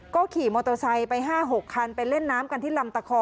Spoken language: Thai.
ก็ขี่มอเตอร์ไซค์ไป๕๖คันไปเล่นน้ำกันที่ลำตะคอ